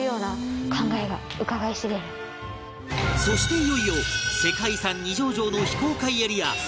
そしていよいよ世界遺産二条城の非公開エリア